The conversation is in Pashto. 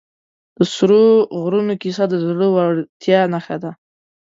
د سرو غرونو کیسه د زړه ورتیا نښه ده.